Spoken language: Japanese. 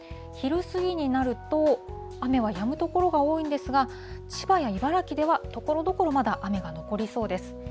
昼過ぎになると、雨はやむ所が多いんですが、千葉や茨城では、ところどころまだ、雨が残りそうです。